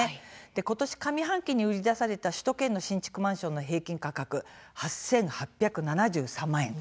今年上半期に売りに出された首都圏の新築マンションの平均価格、８８７３万円。